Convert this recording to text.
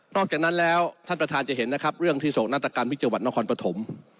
อกจากนั้นแล้วท่านประธานจะเห็นนะครับเรื่องที่โศกนาฏกรรมวิกจังหวัดนครปฐม